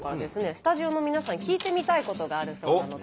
スタジオの皆さんに聞いてみたいことがあるそうなので。